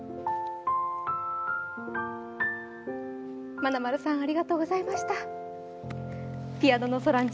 まなまるさんありがとうございました。